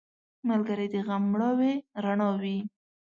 ملګری د غم مړاوې رڼا وي